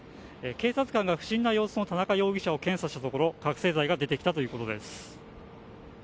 警察官が不審な様子の田中容疑者を検査したところ覚醒剤が出てきたということです。